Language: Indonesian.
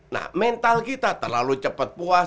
nah mental kita terlalu cepat puas